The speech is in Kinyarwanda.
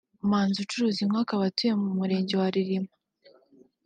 Manzi ucuruza inkwi akaba atuye mu murenge wa Ririma